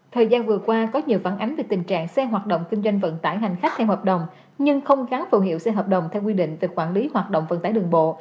thời gian vừa qua có nhiều phản ánh về tình trạng xe hoạt động kinh doanh vận tải hành khách theo hợp đồng nhưng không gắn phù hiệu xe hợp đồng theo quy định về quản lý hoạt động vận tải đường bộ